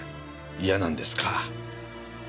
いやなんですか？